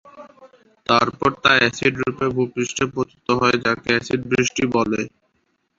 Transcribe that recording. তারপর তা এসিডরূপে ভূপৃষ্ঠে পতিত হয় যাকে এসিড বৃষ্টি বলে।